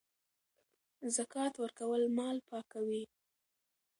زکات ورکول مال پاکوي.